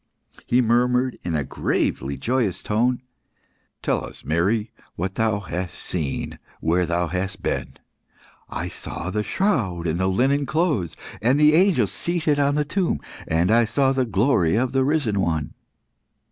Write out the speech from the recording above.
He murmured, in a gravely joyous tone "Tell us, Mary, what thou hast seen where thou hast been? I saw the shroud and the linen cloths, and the angels seated on the tomb. And I saw the glory of the Risen One."